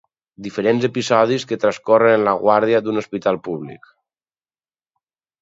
Diferents episodis que transcorren en la guàrdia d'un hospital públic.